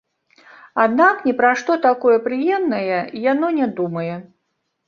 Аднак ні пра што такое прыемнае яно не думае.